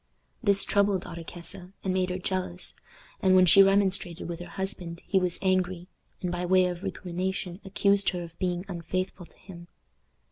This troubled Ottokesa, and made her jealous; and when she remonstrated with her husband he was angry, and by way of recrimination accused her of being unfaithful to him.